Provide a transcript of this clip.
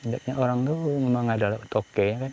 banyak orang itu memang ada toke